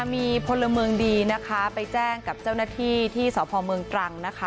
มีพลเมืองดีนะคะไปแจ้งกับเจ้าหน้าที่ที่สพเมืองตรังนะคะ